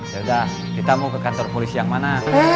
yaudah kita mau ke kantor polisi yang mana